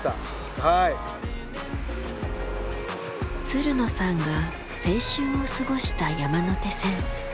つるのさんが青春を過ごした山手線。